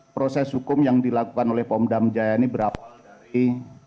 proses hukum yang dilakukan oleh pom dam jaya ini berawal dari